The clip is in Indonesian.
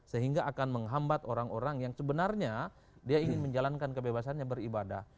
sehingga akan menghambat orang orang yang sebenarnya dia ingin menjalankan kebebasannya beribadah